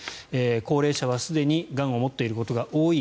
幸齢者はすでにがんを持っていることが多い。